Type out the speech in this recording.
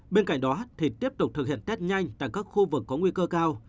bên cạnh đó thì tiếp tục thực hiện test nhanh tại các khu vực có nguy cơ cao